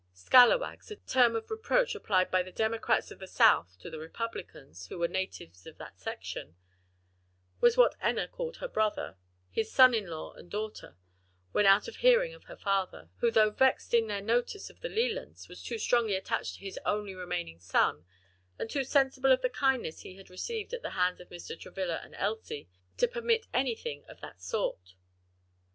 "Scalawags" a term of reproach applied by the Democrats of the South to the Republicans, who were natives of that section was what Enna called her brother, his son in law and daughter, when out of hearing of her father, who though vexed at their notice of the Lelands, was too strongly attached to his only remaining son, and too sensible of the kindness he had received at the hands of Mr. Travilla and Elsie, to permit anything of that sort.